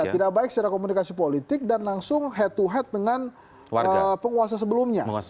tidak baik secara komunikasi politik dan langsung head to head dengan penguasa sebelumnya